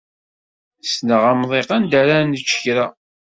Sneɣ amḍiq anda ara ad nečč kra.